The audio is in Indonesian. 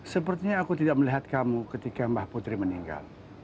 sepertinya aku tidak melihat kamu ketika mbah putri meninggal